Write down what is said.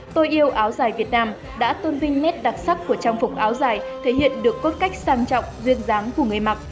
tôi yêu áo dài việt nam đã tôn vinh nét đặc sắc của trang phục áo dài thể hiện được cốt cách sang trọng duyên dáng của người mặc